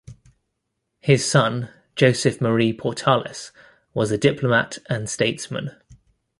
His son, Joseph Marie Portalis, was a diplomat and statesman.